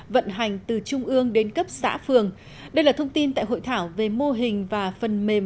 vận hành từ trung ương đến cấp xã phường đây là thông tin tại hội thảo về mô hình và phần mềm